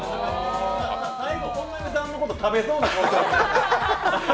最後、本並さんのこと食べそうな顔してましたもん。